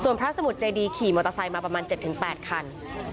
พระสมุทรเจดีขี่มอเตอร์ไซค์มาประมาณ๗๘คัน